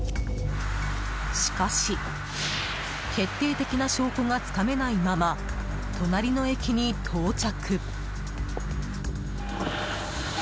しかし決定的な証拠がつかめないまま隣の駅に到着。